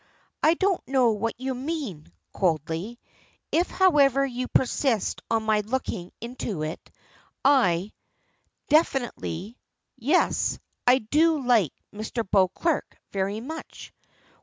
"I don't know what you mean," coldly. "If, however, you persist on my looking into it, I " defiantly "yes, I do like Mr. Beauclerk very much."